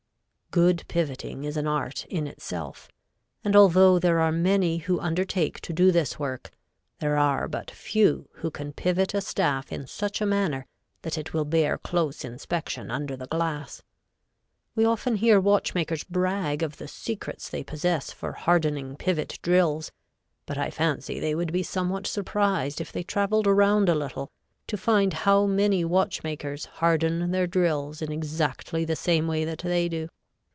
Good pivoting is an art in itself, and although there are many who undertake to do this work, there are but few who can pivot a staff in such a manner that it will bear close inspection under the glass. We often hear watchmakers brag of the secrets they possess for hardening pivot drills, but I fancy they would be somewhat surprised if they traveled around a little, to find how many watchmakers harden their drills in exactly the same way that they do.